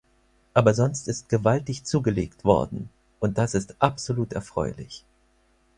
Aber sonst ist gewaltig zugelegt worden, und das ist absolut erfreulich.